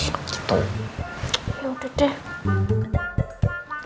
ya udah deh